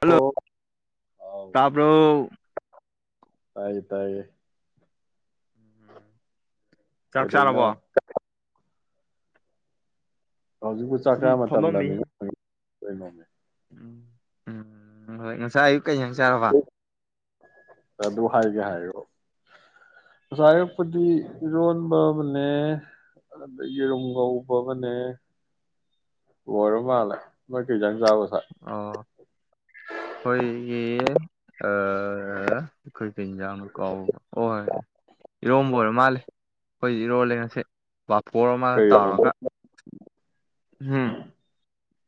Hello ꯑꯣ ꯇꯥꯞ꯭ꯔꯣ ꯇꯥꯏ ꯇꯥꯏꯌꯦ ꯎꯝ ꯆꯥꯛ ꯀꯗꯅ ꯆꯥꯔꯕꯣ ꯍꯧꯖꯤꯛꯄꯨ ꯁꯨꯝ ꯆꯥꯛꯈꯥ ꯐꯝꯃꯝꯃꯤ ꯃꯇꯝꯗꯅꯤꯅ ꯀꯣꯏ ꯉꯃꯤꯃꯦ ꯎꯝ ꯍꯣꯏ ꯉꯁ ꯑꯌꯨ ꯑꯗꯨ ꯍꯥꯏꯒꯦ ꯍꯥꯏꯔꯣ ꯉꯁꯥꯏ ꯑꯔꯛꯄꯨꯗꯤ ꯏꯔꯣꯟꯕ ꯑꯃꯅꯦ ꯑꯗꯒꯤ ꯌꯦꯔꯨꯝ ꯀꯧꯕꯧꯕ ꯑꯃꯅꯦ ꯑꯣꯏꯔ ꯃꯥꯜꯂꯦ ꯃꯣꯏ ꯀꯩ ꯆꯪ ꯆꯥꯕꯁꯦ ꯑꯣ ꯍꯣꯏ ꯌꯦ ꯑꯩꯈꯣꯏ ꯆꯦꯟꯖꯥꯡꯅ ꯀꯥꯎꯕ ꯍ ꯍꯣꯏ ꯏꯔꯣꯝꯕ ꯑꯣꯏꯔꯣ ꯃꯥꯜꯂꯦ ꯑꯩꯈꯣꯏꯗꯤ ꯏꯔꯣꯜꯂꯦ ꯉꯁꯦ ꯕꯥꯐꯣꯔ ꯑꯃꯒ ꯀꯩ ꯏꯔꯣꯝꯕ ꯇꯥꯎꯔꯒ ꯍꯝ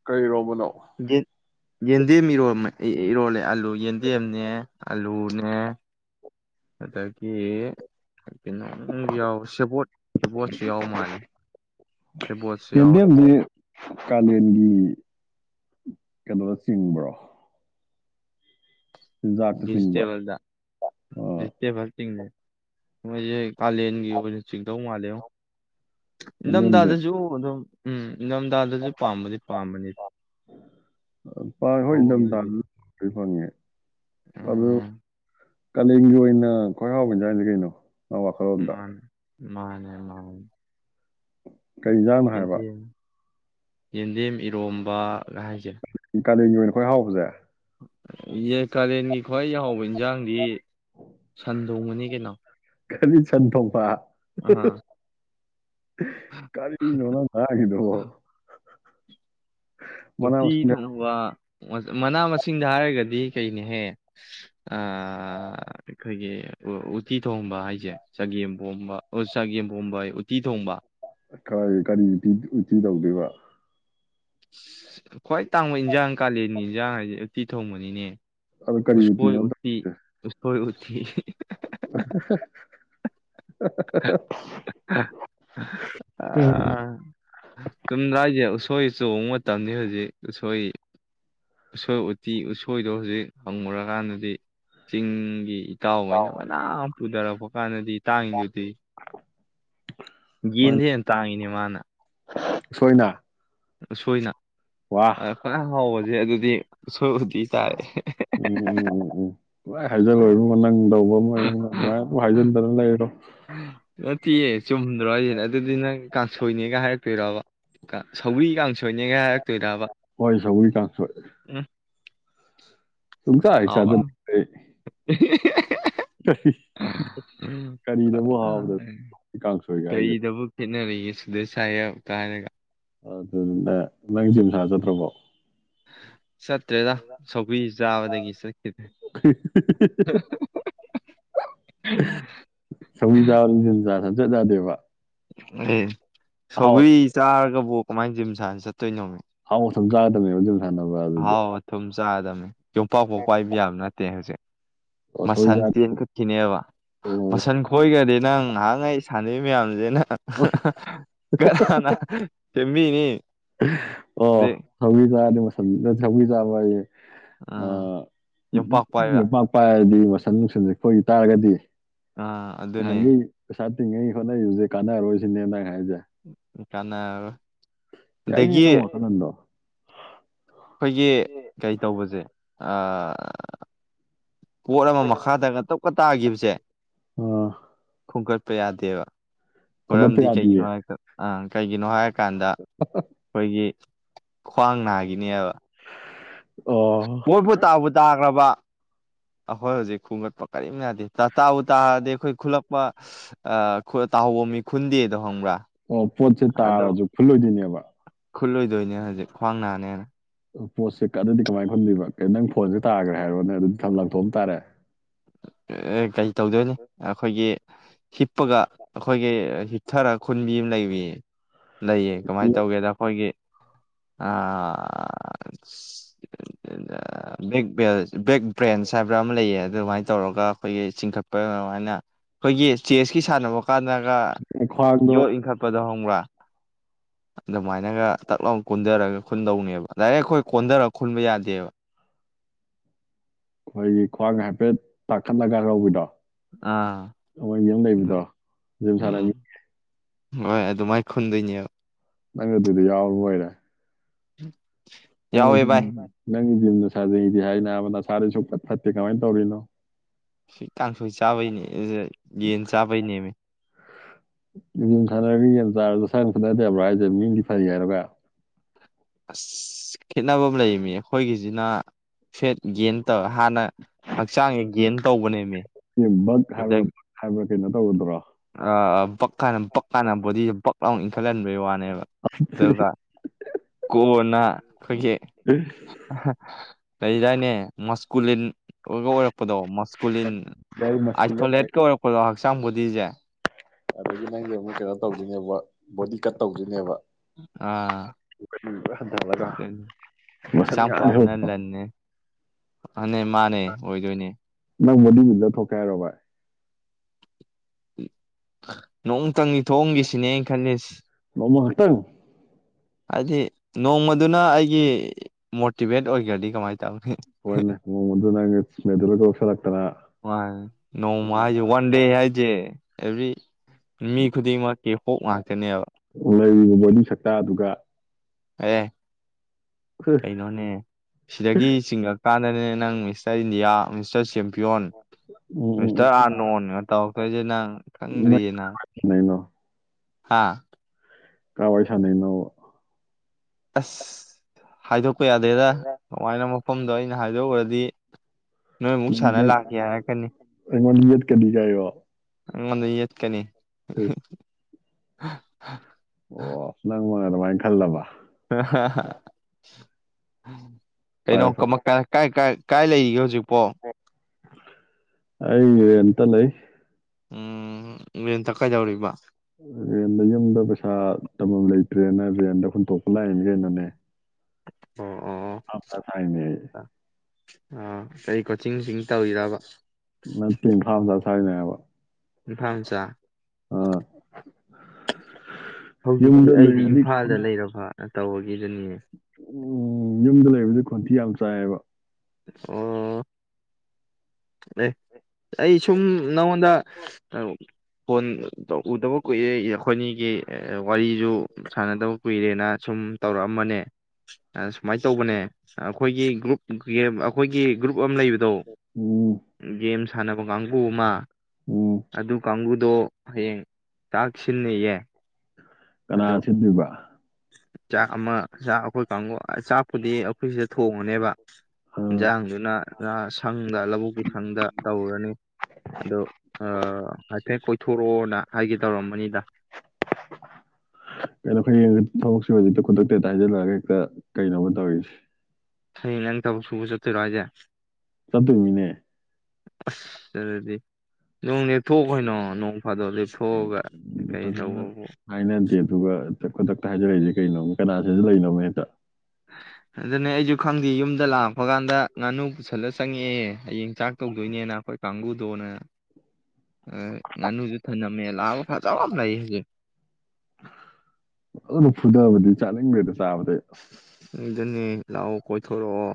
ꯀꯩꯔꯣ ꯂꯣ ꯌꯦꯟꯗꯦꯝ ꯏꯔꯣ ꯏꯔꯣꯜꯂꯦ ꯑꯂꯨ ꯌꯦꯟꯗꯦꯝꯅꯦ ꯑꯂꯨꯅꯦ ꯑꯗꯒꯤ ꯀꯩꯅꯣꯨ ꯌꯥꯎ ꯁꯦꯕꯣꯠ ꯁꯦꯕꯣꯠꯁꯨ ꯌꯥꯎ ꯃꯥꯜꯂꯦ ꯁꯤꯕꯣꯠꯁꯤ ꯌꯥꯎꯔ ꯌꯦꯟꯗꯦꯝꯖꯤ ꯀꯥꯂꯦꯟꯒꯤ ꯀꯩꯅꯣ ꯆꯤꯡꯕ꯭ꯔꯣ ꯆꯤꯟꯖꯥꯛꯇ ꯆꯤꯡꯕ꯭ꯔꯣ ꯚꯤꯖꯤꯇꯦꯕꯜꯗ ꯑꯥ ꯚꯤꯖꯤꯇꯦꯕꯜ ꯆꯤꯡꯉꯦ ꯃꯣꯏꯖꯦ ꯀꯥꯂꯦꯟꯒꯤ ꯑꯣꯏꯅ ꯆꯤꯡꯗꯧ ꯃꯥꯜꯂꯦꯉꯣ ꯌꯦꯟꯗꯦꯝꯖꯦ ꯂꯝꯗꯥꯗꯖꯨ ꯑꯗꯨꯝ ꯎꯝ ꯅꯤꯡꯗꯝꯗꯥꯗꯖꯨ ꯄꯥꯝꯕꯗꯤ ꯄꯥꯝꯕꯅꯤ ꯄꯥꯛ ꯍ ꯍꯣꯏ ꯑꯗꯨꯗꯤ ꯏꯪꯊꯝꯊꯥꯗ ꯂꯣꯏ ꯐꯪꯉꯦ ꯑꯗꯨꯖꯨ ꯀꯥꯂꯦꯟꯒꯤ ꯑꯣꯏꯅ ꯈ꯭ꯋꯥꯏ ꯍꯥꯎꯕ ꯏꯟꯖꯥꯡꯖꯦ ꯀꯩꯅꯣ ꯅꯪ ꯋꯥꯈꯜꯂꯣꯟꯗ ꯃꯥꯅꯦ ꯃꯥꯅꯦ ꯃꯥꯅꯦ ꯀꯩꯏꯟꯖꯥꯡꯅꯣ ꯍꯥꯏꯕ ꯌꯦꯟꯗꯦꯝ ꯌꯦꯟꯗꯦꯝ ꯏꯔꯣꯝꯕ ꯒ ꯍꯥꯏꯖꯦ ꯀꯥꯂꯦꯟꯒꯤ ꯑꯣꯏꯅ ꯈ꯭ꯋꯥꯏ ꯍꯥꯎꯕꯖꯦ ꯑ ꯌꯦ ꯀꯥꯂꯦꯟꯒꯤ ꯈ꯭ꯋꯥꯏ ꯍꯥꯎꯕ ꯏꯟꯖꯥꯡꯗꯤ ꯁꯟꯗꯣꯡꯕꯅꯤ ꯀꯩꯅꯣ ꯀꯔꯤ ꯁꯟꯊꯣꯛꯄ ꯑꯥ ꯍꯍ ꯀꯔꯤꯅꯣ ꯅꯪꯅ ꯉꯥꯡꯉꯤꯗꯨꯕꯣ ꯃꯅꯥ ꯎꯇꯤ ꯃꯁꯤꯡ ꯊꯣꯡꯕ ꯃꯅꯥ ꯃꯁꯤꯡꯗ ꯍꯥꯏꯔꯒꯗꯤ ꯀꯩꯅꯦꯍꯦ ꯁꯍ ꯑꯥ ꯑꯩꯈꯣꯏꯒꯤ ꯎ ꯎꯠꯇꯤ ꯊꯣꯡꯕ ꯍꯥꯏꯖꯦ ꯆꯒꯦꯝ ꯄꯣꯝꯕ ꯑꯣ ꯆꯒꯦꯝ ꯄꯣꯝꯕ ꯍꯥꯏꯌꯦ ꯎꯇꯤ ꯊꯣꯡꯕ ꯑ ꯀꯔꯥꯏꯗꯩ ꯀꯔꯤ ꯎꯇꯤ ꯎꯇꯤ ꯇꯧꯗꯣꯏꯕ ꯁꯁ ꯈ꯭ꯋꯥꯏ ꯇꯥꯡꯕ ꯏꯟꯖꯥꯡ ꯀꯥꯂꯦꯟꯒꯤ ꯏꯟꯖꯥꯡ ꯍꯥꯏꯖꯦ ꯎꯇꯤ ꯊꯣꯡꯕꯅꯤꯅꯦ ꯑꯗꯣ ꯀꯔꯤ ꯎꯁꯣꯏ ꯎꯇꯤꯅꯣ ꯎꯇꯤ ꯎꯁꯣꯏ ꯎꯠ- [unintelligible] [unintelligible] ꯍꯥ ꯍꯥ ꯍꯥ ꯍꯥ ꯑꯥ ꯎꯝ ꯆꯨꯝꯗ꯭ꯔꯥ ꯍꯥꯏꯖꯦ ꯎꯁꯣꯏ ꯆꯣꯡꯕ ꯃꯇꯝꯅꯤ ꯍꯨꯖꯤꯛ ꯎꯁꯣꯏ ꯎꯁꯣꯏ ꯎꯇꯤ ꯎꯁꯣꯏꯗꯣ ꯍꯨꯖꯤꯛ ꯍꯪꯉꯨꯔꯀꯥꯟꯗꯗꯤ ꯆꯤꯡꯒꯤ- ꯏꯇꯥꯎꯍꯣꯏꯅ ꯐꯅꯌꯥꯝ ꯄꯨꯗꯔꯛ- ꯀꯥꯟꯗꯗꯤ ꯇꯥꯡꯉꯤꯗꯨꯗꯤ ꯌꯦꯟꯗꯩ ꯍꯦꯟꯅ ꯇꯥꯡꯉꯅꯤ- ꯃꯥꯅ ꯎꯁꯣꯏꯅ ꯎꯁꯣꯏꯅ ꯋꯥ ꯄꯥꯟꯅꯥ ꯈ꯭ꯋꯥꯏ ꯍꯥꯎꯕꯖꯦ ꯑꯗꯨꯗꯤ ꯎꯁꫭꯏ ꯎꯇꯤ ꯇꯥꯔꯦ ꯁꯨꯍꯥꯏ ꯍꯥꯏꯖꯔꫭꯏ ꯅꯪ ꯇꯧꯕ ꯑꯃ ꯑꯗꯨꯝꯃꯥꯏ ꯍꯥꯏꯖꯟꯗꯅ ꯂꯩꯔꯗꯝꯅꯤ ꯅꯠꯇꯦꯌꯦ ꯆꯨꯝꯗ꯭ꯔꯣ ꯍꯥꯏꯁꯤꯅ ꯑꯗꯨꯗꯤ ꯅꯪ ꯀꯥꯡꯁꯣꯏꯅꯦꯒ ꯍꯥꯏꯔꯛꯇꯣꯏꯕ ꯁꯧꯕꯤ ꯀꯥꯡꯁꯣꯏꯅꯦꯒ ꯍꯥꯏꯔ ꯍꯣꯏ ꯁꯧꯒꯔꯤ ꯀꯥꯁꫭꯏ ꯎꯝ ꯁꯨꯡ ꯆꯥ ꯍꯦꯛ ꯍꯥꯎꯔꯅꯨ ꯆꯥꯅꯤꯡꯗꯦ ꯑꯩ [unintelligible] ꯀꯔꯤꯅꯕꯨ ꯍꯥꯎꯕꯗ ꯀꯥꯡ ꯁꯣꯏꯒ ꯍꯥꯏꯁꯦ ꯈꯦꯠꯅꯔꯤꯌꯦ ꯁꯨꯗꯔꯤ ꯁꯥꯏꯍꯦꯞ ꯀꯔꯒ [unintelligible] ꯅꯪ ꯖꯤꯝ ꯁꯥꯥ ꯆꯠꯇꯕꯣ [unintelligible] ꯆꯠꯇ꯭ꯔꯦꯗ ꯁꯧꯒ꯭ꯔꯤ ꯆꯥꯕꯗꯒꯤ ꯆꯠꯈꯤꯗ꯭ꯔꯦ ꯁꯧꯒꯔꯤ ꯆꯥꯔꯁꯨ ꯖꯤꯝ ꯁꯥ ꯆꯠ ꯌꯥꯗꯦꯕ [unintelligible] ꯁꯧꯒꯔꯤ ꯆꯥꯔꯒꯕꯨ ꯑꯣ ꯀꯃꯥꯏꯅ ꯖꯤꯝ ꯁꯥꯥꯟ ꯆꯠꯇꯣꯏꯅꯣ ꯍꯥꯎ ꯊꯨꯝ ꯆꯥꯒꯗꯃꯦ ꯑꯗꯨꯕꯨ ꯍꯥꯎ ꯊꯨꯝꯆꯥ ꯑꯗꯃꯤ ꯌꯣꯝꯄꯥꯛꯐꯥꯎ ꯄꯥꯏꯕ ꯌꯥꯕ ꯅꯠꯇꯦ ꯍꯧꯖꯤꯛ ꯑꯣ ꯁꯧꯒ꯭ꯔꯤ ꯃꯁꯟ ꯆꯥ ꯄꯦꯟꯈꯛꯀꯤꯅꯦꯕ ꯑꯣ ꯃꯁꯟ ꯈꯣꯏꯈ꯭ꯔꯗꯤ ꯅꯪ ꯉꯍꯥꯟ ꯒꯩ ꯁꯥꯟꯅꯩ ꯃꯌꯥꯝꯖꯦ ꯅꯪ ꯑꯁ ꯀꯅꯥꯅ ꯆꯕꯤꯅꯤ ꯑꯣ ꯍꯧꯕꯤ ꯆ ꯑꯗꯨ ꯁꯗ ꯊꯧꯤ ꯇꯥꯕ ꯑꯥ ꯌꯣꯝꯄꯥꯛ ꯄꯥꯏꯕ ꯑ ꯄꯄ ꯑꯗꯨꯁ ꯁꯟ ꯅꯨꯡꯁꯟ ꯌꯦꯛꯄ ꯑꯣꯏꯇꯥꯥꯔꯒꯗꯤ ꯑꯥ ꯑꯗꯨ ꯑꯗꯨꯅꯦ ꯆꯠꯇꯤꯉꯩ ꯍꯣꯠꯅꯔꯤꯕꯁꯦ ꯀꯥꯟꯅꯔꯣꯏꯁꯤꯅꯦ ꯅꯪ ꯍꯥꯏꯗ ꯀꯅ ꯌꯥꯏꯅ ꯋꯥꯇ ꯅꯗꯣ ꯑꯩꯈꯣꯏꯒꯤ ꯀꯩ ꯇꯧꯕꯁꯦ ꯄꯣꯠ ꯑꯃ ꯃꯈꯥꯗ ꯇꯞꯀ ꯇꯥꯈꯤꯕꯖꯦ ꯑꯥ ꯈꯣꯡꯀꯠ ꯌꯥꯗꯦꯕ ꯈꯣꯝꯒꯠꯄ ꯃꯔꯝꯗꯤ ꯀꯩꯒꯤꯅꯣ ꯌꯥꯗꯤꯌꯦ ꯍꯥꯏꯗ ꯑ ꯀꯩꯒꯤꯅꯣ ꯍꯥꯏ ꯀꯥꯟꯗ ꯑꯩꯈꯣꯏꯒꯤ ꯈ꯭ꯋꯥꯡ ꯅꯥꯈꯤꯅꯦꯕ ꯑꯣ ꯃꯣꯏꯕꯨꯨ ꯇꯥꯕꯨ ꯇꯥꯒ꯭ꯔꯥꯕ ꯑꯩꯈꯣꯏ ꯍꯧꯖꯤꯛ ꯈꯣꯡꯒꯠꯄ ꯀꯔꯤꯝ ꯌꯥꯗꯦ ꯇꯥ ꯇꯥꯕꯨ ꯇꯥꯔꯗꯤ ꯑꯩꯈꯣꯏ ꯈꯨꯂꯞ ꯇꯥꯍꯧꯕ ꯃꯤ ꯈꯨꯟꯗꯦꯗꯣ ꯈꯪꯕ꯭ꯔꯥ ꯑꯣ ꯄꯣꯠꯁꯦ ꯑꯗꯣ ꯇꯥꯔꯖꯨ ꯈꯨꯟꯂꯣꯏꯗꯣꯏꯅꯦꯕ ꯈꯨꯜꯂꯣꯏꯗꯣꯏꯅꯦ ꯍꯧꯖꯤꯛ ꯈ꯭ꯋꯥꯡ ꯅꯥꯅꯦꯅ ꯄꯣꯠꯁꯦ ꯑꯗꯨꯗꯤ ꯀꯃꯥꯏꯅ ꯈꯨꯟꯕꯤꯕ ꯅꯪ ꯐꯣꯟꯁꯦ ꯇꯥꯈ꯭ꯔꯦ ꯍꯥꯏꯔꯣ ꯅ ꯑꯗꯨꯗꯤ ꯂꯪꯊꯣꯛ ꯑꯝ ꯇꯥꯔꯦ ꯀꯩ ꯇꯧꯗꯣꯏꯅꯤ ꯑꯩꯈꯣꯏꯒꯤ ꯍꯤꯞꯄꯒ ꯑꯩꯈꯣꯏꯒꯤ ꯍꯤꯞꯊꯔꯒ ꯈꯨꯟꯕꯤ ꯑꯃ ꯂꯩꯕꯤꯌꯦ ꯂꯩꯌꯦ ꯀꯃꯥꯏꯅ ꯇꯧꯒꯦꯗ ꯑꯩꯈꯣꯏꯒꯤ ꯑ ꯐ꯭ꯔꯦꯟꯁ ꯍꯥꯏꯕ꯭ꯔꯥ ꯑꯃ ꯂꯩꯌꯦ ꯑꯗꯨ ꯃꯥꯏ ꯇꯧꯔꯒ ꯑꯩꯈꯣꯏꯒꯤ ꯆꯤꯡꯈꯛ ꯄꯔꯥ ꯃꯥꯏꯅ ꯑꯩꯈꯣꯏꯒꯤ ꯆꯦꯁꯀꯤ ꯁꯥꯟꯅꯕ ꯀꯥꯟꯅꯒ ꯈ꯭ꯋꯥꯡꯗꯣ ꯌꯣꯠ ꯏꯟꯈꯠꯄꯗꯣ ꯈꯪꯕ꯭ꯔꯥ ꯑꯗꯨꯃꯥꯏꯅꯒ ꯇꯛ ꯂꯥꯎ ꯀꯣꯟꯗꯥꯔꯒ ꯈꯨꯟꯗꯧꯅꯦꯕ ꯗꯥꯏꯔꯦꯛ ꯑꯩꯈꯣꯏ ꯀꯣꯟꯗꯔꯛ ꯈꯨꯟꯕ ꯌꯥꯗꯦꯕ꯫ ꯑꯈꯣꯏꯒꯤ ꯈ꯭ꯋꯥꯡꯒ ꯍꯥꯏꯐꯦꯠ ꯇꯥꯈꯠꯂꯒ ꯂꯧꯕꯤꯗꯣ꯫ ꯑꯥ ꯃꯣꯏꯒꯤ ꯑꯝ ꯑꯗꯨ ꯂꯩꯕꯗꯣ ꯖꯤꯝ ꯁꯥꯟꯅ ꯎꯝ ꯃꯤ ꯍꯣꯏ ꯑꯗꯨꯃꯥꯏ ꯈꯨꯟꯗꯣꯏꯅꯦꯕ꯫ ꯅꯪ ꯑꯗꯨꯗ ꯌꯥꯎꯔꯕꯣꯏꯔꯦ꯫ ꯎꯝ꯫ ꯪꯅꯪ [inaudible] ꯅꯪ ꯖꯤꯝꯗ ꯁꯥꯟꯅꯩꯗꯤ ꯍꯥꯏꯅꯥꯕ ꯅꯁꯥꯗꯤ ꯁꯨꯡꯐꯠ ꯐꯠꯇꯦ ꯀꯃꯥꯏ ꯇꯧꯔꯤꯅꯣ? ꯁꯤ ꯀꯥꯡꯁꯣꯏ ꯆꯥꯕꯩꯅꯦ [unintelligible] ꯌꯦꯟ ꯆꯥꯕꯩꯅꯦꯃꯤ꯫ ꯖꯤꯝ ꯁꯥꯟꯅꯔꯗꯤ ꯌꯥꯝ ꯆꯥꯔꯖꯨ ꯁꯥꯟꯅ ꯈꯠꯅꯗꯦꯕ꯭ꯔꯥ ꯍꯥꯏꯖꯦ ꯃꯤꯗꯤ ꯐꯖꯩ ꯍꯥꯏꯔꯒ꯫ ꯑꯁ ꯈꯦꯠꯅꯕ ꯑꯝ ꯂꯩꯌꯦꯃꯤ꯫ ꯑꯈꯣꯏꯒꯤꯖꯤꯅ ꯐꯦꯠ ꯒꯦꯟ ꯇꯧ ꯍꯥꯟꯅ ꯍꯛꯆꯥꯡꯖꯦ ꯒꯦꯟ ꯇꯧꯕꯅꯦꯃꯤ꯫ [unintelligible] ꯕꯛ ꯍꯥꯏꯕ꯭ꯔꯥ [unintelligible] ꯍꯥꯏꯕ꯭ꯔꯥ꯫ ꯀꯩꯅꯣ ꯇꯧꯒꯗ꯭ꯔꯣ ꯑꯥ ꯕꯛꯀꯥꯅꯝ ꯄꯛ ꯀꯥꯟꯅ ꯕꯣꯗꯤꯖꯦ ꯕꯛ ꯂꯥꯎꯅ ꯏꯟꯈꯠꯂꯟꯕꯩ ꯋꯥꯅꯦꯕ ꯑꯗꯨꯒꯥ ꯀꯣꯟꯅ ꯑꯈꯣꯏꯒꯤ ꯂꯩꯗꯥꯏꯅꯦ ꯃꯁ ꯀꯨꯂꯤꯟ ꯑꯣꯏꯕ ꯑꯣꯢꯔꯛꯄꯗꯣ ꯃꯁꯀꯨꯂꯤꯟ ꯒꯥꯔꯤ ꯃꯁꯀꯨꯂꯔ ꯀꯩ ꯑꯥꯏꯁꯣꯂꯦꯠꯀ ꯑꯣꯏꯔꯛꯄꯗꯣ꯫ ꯁꯥꯝꯕꯨꯗꯤꯖꯦ ꯑꯗꯒꯤ ꯅꯪꯒꯤ ꯑꯃꯨꯛ ꯀꯩꯅꯣ ꯇꯧꯗꯨꯏꯅꯦꯕ ꯕꯣꯗꯤ ꯀꯠ ꯇꯧꯗꯨꯏꯅꯦꯕ꯫ ꯑꯥ, ꯍꯟꯊꯍꯜꯂꯒ ꯑꯗꯨ ꯃꯁꯟ ꯍꯛꯆꯥꯡ ꯉꯥꯛ ꯐꯕꯅ ꯂꯟꯅꯦ, ꯃꯥꯅ ꯃꯥꯅꯦ ꯑꯣꯏꯗꯣꯏꯅꯦ꯫ ꯅꯪ ꯕꯣꯗꯤ ꯕꯤꯜꯗꯔ ꯊꯣꯛꯀꯦ ꯍꯥꯢꯔꯣ ꯚꯥꯏ? ꯎꯝ [inaudible] ꯅꯣꯡꯇꯪꯒꯤ ꯊꯣꯡꯑꯝꯒꯦ ꯁꯤꯅꯦ ꯑꯩ ꯈꯜꯂꯤꯁ꯫ ꯅꯣꯡꯃ ꯈꯛꯇꯪ ꯍꯥꯏꯗꯤ ꯅꯣꯡꯃꯗꯨꯅ ꯑꯩꯒꯤ ꯃꯣꯔꯇꯤꯚꯦꯠ ꯑꯣꯏꯒ꯭ꯔꯗꯤ ꯀꯃꯥꯏ ꯇꯧꯅꯤ ꯍꯣꯢꯅꯦ [unintelligible] [unintelligible] ꯃꯥꯅꯦ ꯅꯣꯡꯃ ꯍꯥꯏꯖꯦ ꯋꯥꯟꯗꯦ ꯋꯥꯟ ꯍꯥꯏꯖꯦ꯫ ꯑꯦꯕ꯭ꯔꯤ ꯃꯤ ꯈꯨꯗꯤꯡꯃꯛꯀꯤ ꯍꯣꯛ ꯉꯥꯛꯇꯅꯦꯕ ꯂꯩꯔꯤꯕ ꯃꯕꯣꯏꯅꯤ ꯁꯛꯇ ꯑꯗꯨꯒ ꯑꯦ ꯀꯩꯅꯣꯅꯦ ꯁꯤꯗꯒꯤ ꯆꯤꯡꯉꯛꯀꯥꯟꯗꯅꯦ ꯅꯪ ꯃꯤꯁꯇꯔ ꯏꯟꯗꯤꯌꯥ ꯃꯤꯁꯇꯔꯞ ꯄꯤꯌꯣꯟ ꯃꯤꯁꯇꯔ ꯑꯥꯔꯅꯣꯟꯒ ꯇꯧꯔꯈꯣꯏꯁꯦ ꯅꯪ ꯅꯪ ꯈꯪꯗ꯭ꯔꯤꯑꯅ ꯁꯥꯟꯅꯩꯅꯣ ꯍꯥꯥ ꯀꯋꯥꯁꯅꯦꯅ ꯑꯦꯁ ꯍꯥꯏꯥꯏꯗ ꯀꯛꯄ ꯌꯥꯗꯦꯗ ꯀꯃꯥꯏꯅ ꯃꯐꯝꯗꯣ ꯑꯩꯅ ꯍꯥꯏꯗꯣꯛꯎꯔꯗꯤ ꯅꯣꯏ ꯑꯃꯨꯛ ꯁꯥꯟꯅ ꯂꯥꯛꯀꯦ ꯍꯥꯏꯔꯛꯀꯅꯤ ꯃꯖꯤꯠ ꯀꯗꯤꯒꯏ ꯑꯗ ꯌꯦꯠ ꯀꯅꯤ ꯑꯣ ꯑꯂ ꯑꯗꯨꯃꯥꯏꯅ ꯑꯗꯨꯃꯥꯏꯅ ꯈꯜꯂꯕ ꯍ ꯎꯝ ꯀꯩꯅꯣ ꯐꯔꯦ ꯐꯔꯦ ꯀꯥꯏ ꯂꯩꯔꯤꯒꯦ ꯍꯧꯖꯤꯛꯄꯣ ꯑꯩꯇ ꯂꯩ ꯎꯝꯦꯟ ꯇꯛꯀꯥꯏꯗꯧꯔꯤꯕ ꯔꯦꯟꯗ ꯌꯨꯝꯗ ꯄꯩꯁꯥ ꯇꯝꯐꯝꯝ ꯂꯩꯇ꯭ꯔꯦꯅ ꯔ꯭ꯔꯦꯟꯗ ꯍꯨꯟꯇꯣꯛꯄ ꯂꯥꯛꯏꯅꯤ ꯀꯩꯅꯣꯅꯦ ꯑꯣ ꯑꯣ ꯑꯞ ꯆꯁꯥꯏꯅꯦ ꯑ ꯀꯩ ꯀꯣꯆꯤꯡ ꯇꯧꯏꯤꯗꯔꯕ ꯊꯅꯕ ꯏꯝꯐꯥꯜ ꯃꯆꯥ ꯍꯧꯖꯤꯛꯇꯤ ꯌꯨꯝꯗ ꯑꯩꯗꯤ ꯂꯩꯔꯗꯤ ꯏꯝꯐꯥꯜꯗ ꯈꯣꯟ ꯂꯩꯔꯕ ꯇꯧꯕꯒꯤꯗꯨꯅꯤꯌꯦ ꯎꯝ ꯌꯨꯝꯗ ꯂꯩꯕꯗꯤ ꯈꯣꯟꯇꯤ ꯌꯥꯝ ꯆꯥꯏꯌꯦꯕ ꯑꯣ ꯑꯦ ꯑꯩ ꯁꯨꯝ ꯅꯉꯣꯟꯗ ꯐꯣꯟ ꯎꯗꯕ ꯀꯨꯏꯔꯦ ꯑꯩꯈꯣꯏꯅꯤꯒꯤ ꯋꯥꯔꯤꯁꯨ ꯁꯥꯟꯅꯗꯕ ꯀꯨꯏꯔꯦꯅ ꯁꯨꯝ ꯇꯧꯔꯛꯑꯝꯕꯅꯦ ꯁꯨꯃꯥꯏꯅ ꯇꯧꯕꯅꯦ ꯑꯩꯈꯣꯏꯒꯤ ꯒ꯭ꯔꯨꯞ ꯑꯩꯈꯣꯏꯒꯤ ꯒ꯭ꯔꯨꯞ ꯀꯨꯞ ꯑꯃ ꯂꯩꯕꯗꯣ ꯎꯝ ꯦꯝꯁ ꯁꯥꯟꯅꯕ ꯀꯥꯡꯕꯨꯃꯥ ꯎꯝ ꯑꯗꯨ ꯑꯗꯨ ꯀꯒꯨ ꯑ ꯑꯗꯨꯣ ꯍꯌꯦꯡ ꯆꯥꯛꯁꯤꯟꯅꯩꯌꯦ ꯀꯅꯥ ꯁꯤꯟꯗꯣꯏꯕ ꯆꯥꯛ ꯑꯃ ꯆꯥꯛ ꯑꯩꯈꯣꯏ ꯀꯥꯡꯕꯨ ꯆꯥꯛꯄꯨꯗꯤ ꯑꯩꯈꯣꯏ ꯁꯤꯗ ꯊꯣꯡꯉꯅꯦꯕ ꯑꯥ ꯏꯟꯁꯥꯡꯗꯨꯅ ꯁꯪꯗ ꯂꯧꯕꯨꯛꯀꯤ ꯁꯪꯗ ꯇꯧꯔꯔꯅꯤ ꯑꯣ ꯍꯥꯏꯐꯦꯠ ꯀꯣꯏꯊꯣꯔꯛꯑꯣꯅ ꯍꯥꯏꯒ ꯇꯧꯔꯝꯕꯅꯤꯗ ꯀꯩꯅꯣ ꯍꯌꯦꯡ ꯊꯕꯛꯁꯤꯖꯤꯗ ꯈꯨꯗꯛꯇ ꯍꯦꯛꯇ ꯍꯥꯏꯖꯤꯜꯂꯛꯑꯒ ꯍꯦꯛꯇ ꯀꯩꯅꯣꯃ ꯇꯧꯔꯤꯁꯦ ꯁꯩ ꯅꯪ ꯇꯕ ꯁꯨꯕ ꯆꯠꯠꯇꯣꯏꯔꯣ ꯍꯥꯏꯖꯦ ꯆꯠ ꯑꯗꯨꯃꯤꯅꯦ ꯂꯅ ꯊꯣꯛꯈꯣꯏꯅꯣ ꯅꯣꯡ ꯐꯥꯗꯣꯛ ꯎꯝ, ꯂꯞꯊꯣꯛꯑꯒ ꯀꯩ ꯇꯧꯕꯕꯨ ꯍ ꯈꯨꯗꯛꯇ ꯍꯥꯏꯖꯔꯛꯏꯁꯦ ꯀꯩꯅꯣꯅꯦ ꯀꯅꯥꯁꯤꯁꯨ ꯂꯩꯅꯣꯅꯦ ꯍꯦꯛꯇ ꯑꯗꯨꯅꯦ ꯑꯩꯁꯨ ꯈꯪꯗꯦ ꯌꯨꯝꯗ ꯂꯥꯛꯄ ꯀꯥꯟꯗ ꯉꯥꯅꯨ ꯄꯨꯁꯜꯂ ꯆꯪꯉꯛꯑꯦ ꯍꯌꯦꯡ ꯆꯥꯛ ꯇꯧꯗꯣꯏꯅꯦꯅ ꯑꯩꯈꯣꯏ ꯀꯥꯡꯕꯨꯨꯗꯣꯅ ꯉꯥꯅꯨꯁꯨ ꯊꯂꯝꯝꯃꯦ ꯂꯥꯛꯑꯑꯣ ꯑꯗꯨꯅ ꯐꯨꯗꯕꯗꯤ ꯆꯥꯅꯤꯡꯗꯒ꯭ꯔꯦ ꯁꯥꯕꯗ ꯑꯗꯨꯅꯦ ꯂꯥꯛꯑꯣ ꯀꯣꯏꯊꯣꯔꯛꯑꯣ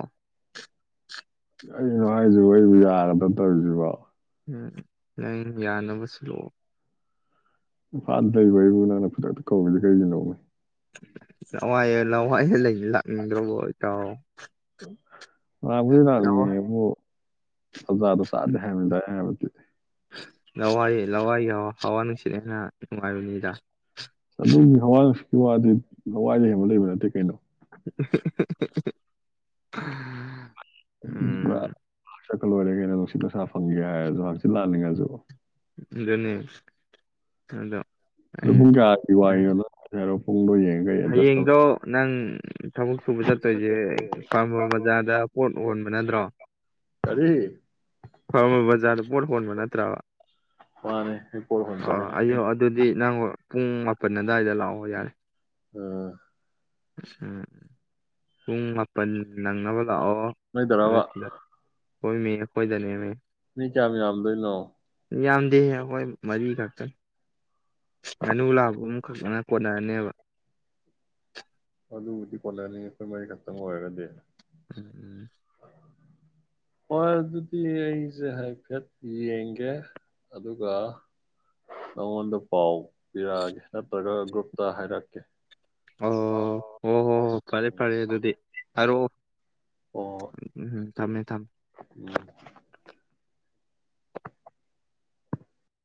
ꯀꯩꯅꯣ ꯍꯥꯏꯁꯤꯕꯣ ꯑꯩꯕꯨ ꯌꯔꯗꯣ ꯇꯧꯔꯤꯁꯤꯕꯣ ꯎꯝ ꯅꯪ ꯌꯥꯅꯕ ꯁꯤꯂꯛꯑꯣ ꯏꯝꯐꯥꯜꯗ ꯂꯩꯕ ꯑꯩꯕꯨ ꯅꯪꯅ ꯈꯨꯗꯛꯇ ꯀꯧꯔꯤꯁꯤ ꯀꯩꯒꯤꯅꯣ ꯎꯝ [unintelligible] ꯂꯋꯥꯏ ꯌꯦ ꯂꯋꯥꯥꯏꯗ ꯂꯩ [unintelligible] ꯏ꯭ꯔꯣꯕꯣꯇꯥ [unintelligible] [unintelligible] [unintelligible] [unintelligible] ꯆꯥꯗꯦ ꯍꯥꯏꯕꯅꯤꯗ ꯑꯩ ꯍꯥꯏꯕꯗꯤ ꯂꯋꯥꯏꯔꯤ ꯂꯋꯥꯏꯔꯤ ꯍꯋꯥ ꯍꯋꯥ ꯅꯨꯡꯁꯤꯠ ꯍꯦꯟꯅ ꯅꯨꯡꯉꯥꯏꯕꯅꯤꯗ ꯑꯗꯨꯒꯤ ꯍꯋꯥ ꯅꯨꯡꯁꯤꯠꯀꯤ ꯋꯥꯗꯤ ꯂꯋꯥꯏ ꯗꯩ ꯍꯦꯟꯕ ꯂꯩꯕ ꯅꯠꯇꯦ ꯀꯩꯅꯣ [unintelligible] ꯎꯝ [unintelligible] ꯁꯀꯜ ꯑꯣꯏꯔꯒꯩꯅ ꯅꯨꯡꯁꯤꯠ ꯄꯩꯁꯥ ꯐꯪꯒꯦ ꯍꯥꯏꯔꯁꯨ ꯍꯆꯤ ꯂꯜꯂꯤꯅꯤꯡꯉꯥꯏꯁꯨ ꯑꯗꯨꯅꯦ ꯑꯗꯣ ꯑꯩ ꯅꯪ ꯀꯌꯥ ꯋꯥꯏ ꯄꯨꯡꯗꯣ ꯌꯦꯡ ꯍꯌꯦꯡꯗꯣ ꯅꯪ ꯊꯕꯛ ꯁꯨꯕ ꯆꯠꯇꯣꯏꯁꯦ ꯐꯥꯔꯃꯔ ꯕꯖꯥꯔꯗ ꯄꯣꯠ ꯍꯣꯟꯕ ꯅꯠꯇ꯭ꯔꯣ ꯀꯔꯤ ꯐꯥꯔꯃꯔ ꯕꯖꯥꯔꯗ ꯄꯣꯠ ꯍꯣꯟꯕ ꯅꯠꯇ꯭ꯔꯕ ꯃꯥꯅꯦ ꯑꯩ ꯄꯣꯠ ꯍꯣꯟ ꯑꯣ ꯆꯠꯂꯦꯅ ꯑꯌ ꯑꯗꯨꯗꯤ ꯅꯪ ꯎꯝ ꯃꯥꯄꯟ ꯑꯋꯥꯏꯗ ꯂꯥꯛꯑꯣ ꯌꯥꯔꯦ ꯎꯝ ꯑ ꯄꯨꯡ ꯃꯥꯄꯜ ꯅꯪꯅꯕ ꯂꯥꯛꯑꯣ ꯑꯗꯨ ꯅꯣꯏꯗꯔꯕ ꯁꯤꯗ ꯍꯣꯏ ꯃꯤ ꯑꯩꯈꯣꯏꯗꯅꯦꯃꯦ ꯃꯤ ꯆꯥ ꯌꯥꯝꯗꯣꯏꯅꯣ ꯌꯥꯝꯗꯦꯍꯦ ꯍꯈꯣꯏ ꯃꯔꯤ ꯈꯛꯇꯅꯤ ꯉꯥꯅꯨ ꯂꯥꯕ ꯑꯃꯨꯝꯈꯛꯅ ꯀꯣꯅꯔꯅꯤꯕ ꯑꯗꯨꯕꯨꯗꯤ ꯀꯣꯜꯂꯛꯅꯤ ꯑꯩꯈꯣꯏ ꯃꯔꯤ ꯈꯛꯇꯪ ꯑꯣꯏꯔꯒꯗꯤ ꯎꯝ ꯎꯝ ꯍꯣꯏ ꯑꯗꯨꯗꯤ ꯑꯩꯁꯦ ꯍꯥꯏꯐꯦꯠ ꯌꯦꯡꯒꯦ ꯑꯗꯨꯒ ꯅꯉꯣꯟꯗ ꯄꯥꯎ ꯄꯤꯔꯛꯑꯒꯦ ꯅꯠꯇ꯭ꯔꯒ ꯒꯨꯨꯞꯇ ꯍꯥꯏꯔꯛꯦ ꯑꯣ ꯍꯣ ꯍꯣ ꯐꯔꯦ ꯄꯔꯦ ꯑꯗꯨꯗꯤ ꯍꯥꯏꯔꯣ ꯑꯣ ꯎꯝꯝ ꯊꯝꯃꯦ ꯊꯝꯃꯦ ꯎꯝ